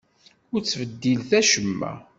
Ur ttbeddilet acemma!